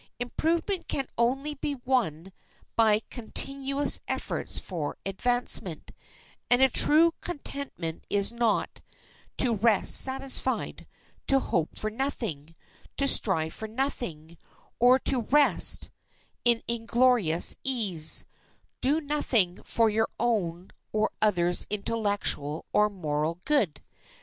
Improvement can only be won by continuous efforts for advancement, and a true contentment is not to rest satisfied, to hope for nothing, to strive for nothing, or to rest in inglorious ease, doing nothing for your own or other's intellectual or moral good.